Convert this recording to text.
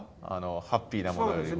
ハッピーなものよりも。